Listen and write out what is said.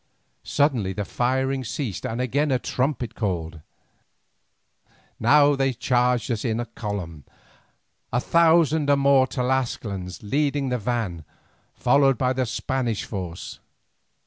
Suddenly the firing ceased and again a trumpet called. Now they charged us in column, a thousand or more Tlascalans leading the van, followed by the Spanish force.